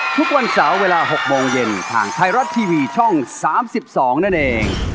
ทุกวันเสาร์เวลา๖โมงเย็นทางไทยรัฐทีวีช่อง๓๒นั่นเอง